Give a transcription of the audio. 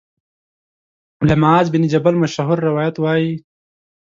له معاذ بن جبل مشهور روایت وايي